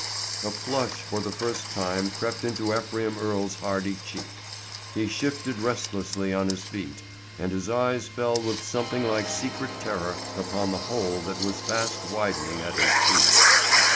A flush for the first time crept into Ephraim Earle's hardy cheek; he shifted restlessly on his feet, and his eyes fell with something like secret terror upon the hole that was fast widening at his feet.